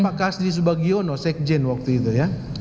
pak kasdi subagiono sekjen waktu itu ya